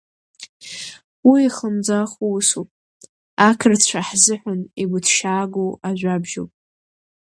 Уи ихлымӡааху усуп, ақырҭцәа ҳзыҳәан игәыҭшьаагоу ажәабжьуп.